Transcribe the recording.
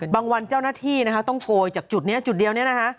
วันเจ้าหน้าที่นะคะต้องโกยจากจุดนี้จุดเดียวเนี่ยนะคะ